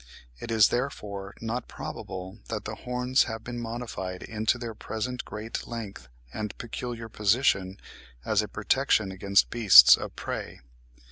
It is, therefore, not probable that the horns have been modified into their present great length and peculiar position, as a protection against beasts of prey.